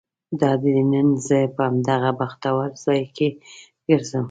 دادی نن زه په همدغه بختور ځای کې ګرځم.